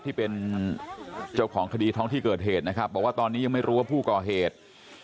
ที่เป็นเจ้าของคดีท้องที่เกิดเหตุนะครับบอกว่าตอนนี้ยังไม่รู้ว่าผู้ก่อเหตุ